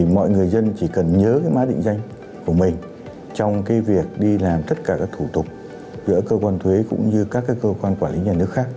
mọi người dân chỉ cần nhớ cái mã định danh của mình trong cái việc đi làm tất cả các thủ tục giữa cơ quan thuế cũng như các cơ quan quản lý nhà nước khác